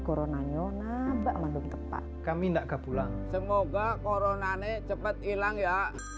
coronanya nabak mandung tepat kami ndak ke pulang semoga coronanya cepet hilang ya